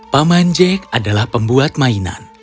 paman jake adalah pembuat mainan